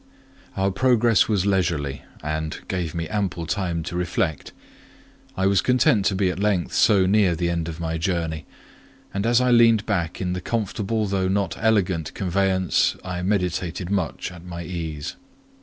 Our progress was leisurely, and gave me ample time to reflect; I was content to be at length so near the end of my journey; and as I leaned back in the comfortable though not elegant conveyance, I meditated much at my ease.